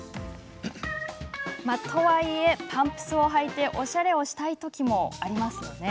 とはいえ、パンプスを履いておしゃれをしたいときもありますよね。